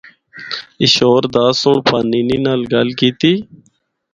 ایشور داس سنڑ پانینی نال گل کیتی۔